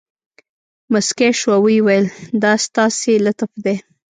مسکی شو او ویې ویل دا ستاسې لطف دی.